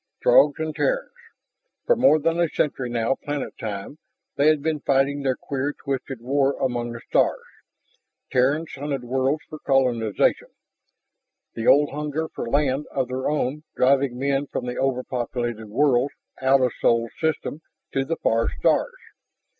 Throgs and Terrans ... For more than a century now, planet time, they had been fighting their queer, twisted war among the stars. Terrans hunted worlds for colonization, the old hunger for land of their own driving men from the over populated worlds, out of Sol's system to the far stars.